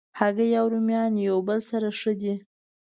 هګۍ او رومیان یو بل سره ښه دي.